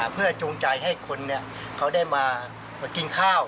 เพื่อจูงใจให้คนเขาได้มากินข้าว